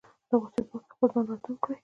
د غوسې په وخت کې خپل ځان راتم کړي.